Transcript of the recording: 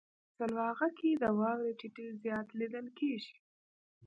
سلواغه کې د واورې ټيټی زیات لیدل کیږي.